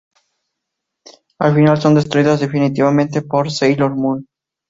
Al final son destruidas definitivamente por Super Sailor Moon.